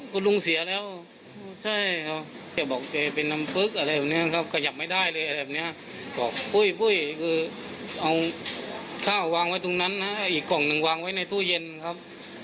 ก็ถูบื้นเจ็ดเยี่ยวให้แกครับ